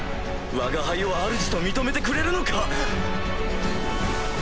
わが輩をあるじと認めてくれるのか！